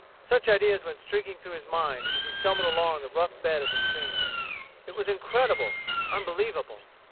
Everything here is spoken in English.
Such ideas went streaking through his mind as he stumbled along the rough bed of the stream. It was incredible, unbelievable.